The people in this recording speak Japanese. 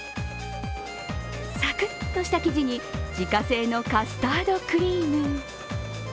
サクッとした生地に自家製のカスタードクリーム。